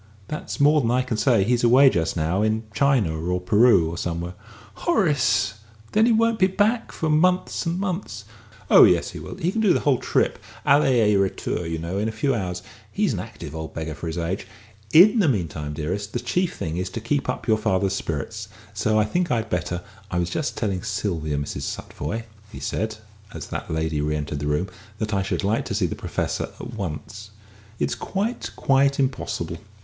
"That's more than I can say. He's away just now in China, or Peru, or somewhere." "Horace! Then he won't be back for months and months!" "Oh yes, he will. He can do the whole trip, aller et retour, you know, in a few hours. He's an active old beggar for his age. In the meantime, dearest, the chief thing is to keep up your father's spirits. So I think I'd better I was just telling Sylvia, Mrs. Futvoye," he said, as that lady re entered the room, "that I should like to see the Professor at once." "It's quite, quite impossible!"